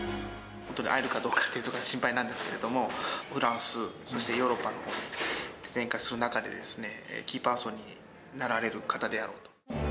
本当に会えるかどうかというところが心配なんですけども、フランス、そしてヨーロッパに展開する中で、キーパーソンになられる方であろうと。